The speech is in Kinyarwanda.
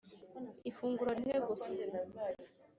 ifunguro rimwe gusa